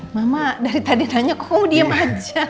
mama dari tadi nanya kok kamu diem aja